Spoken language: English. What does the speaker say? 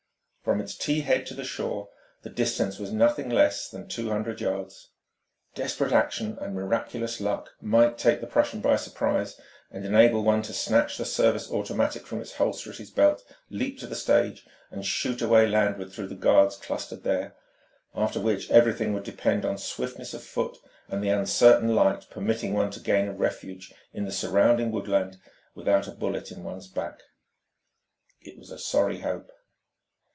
From its T head to the shore, the distance was nothing less than two hundred yards. Desperate action and miraculous luck might take the Prussian by surprise and enable one to snatch the service automatic from its holster at his belt, leap to the stage, and shoot a way landward through the guards clustered there; after which everything would depend on swiftness of foot and the uncertain light permitting one to gain a refuge in the surrounding woodland without a bullet in one's back. It was a sorry hope....